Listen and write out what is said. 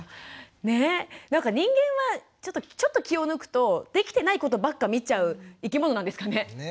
なんか人間はちょっと気を抜くとできてないことばっか見ちゃう生き物なんですかね？